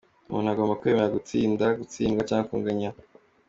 Umuntu agomba kwemera gutsinda, gutsindwa cyangwa kunganya.